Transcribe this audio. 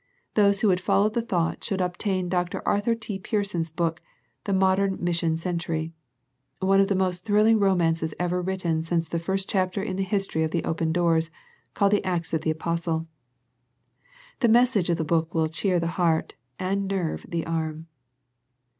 Those who would follow the thought should obtain Dr. Arthur T. Pierson's book, "The Modern Mission Century," one of the most thrilling romances ever written since the first chapter in the history of the open doors, called the Acts of the Apostles. The message of the book will cheer the heart, and nerve the arm.